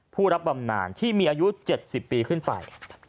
ผู้รับบำนานที่มีอายุ๗๐ปีขึ้นไป